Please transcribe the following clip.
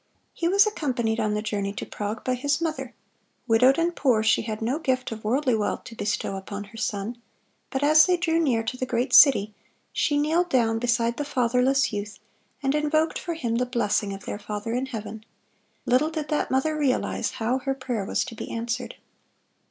He was accompanied on the journey to Prague by his mother; widowed and poor, she had no gift of worldly wealth to bestow upon her son, but as they drew near to the great city, she kneeled down beside the fatherless youth, and invoked for him the blessing of their Father in heaven. Little did that mother realize how her prayer was to be answered.